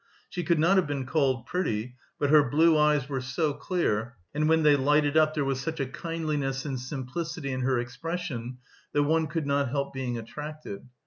She could not have been called pretty, but her blue eyes were so clear, and when they lighted up, there was such a kindliness and simplicity in her expression that one could not help being attracted.